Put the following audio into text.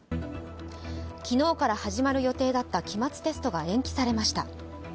昨日から始まる予定だった期末テストが延期されました。